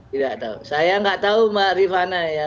tidak tahu saya tidak tahu mbak rifana